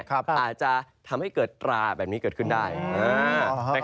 อาจจะทำให้เกิดตราแบบนี้เกิดขึ้นได้